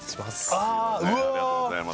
ありがとうございます